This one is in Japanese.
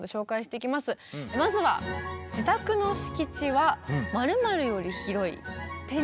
まずは自宅の敷地は○○より広い。